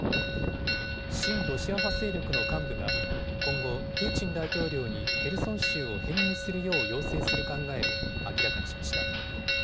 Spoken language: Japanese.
親ロシア派勢力の幹部が今後、プーチン大統領にヘルソン州を編入するよう要請する考えを明らかにしました。